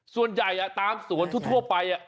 ส่วนใหญ่ตามสวนทั่วไป